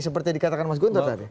seperti yang dikatakan mas guntur tadi